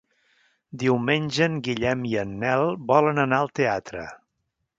Diumenge en Guillem i en Nel volen anar al teatre.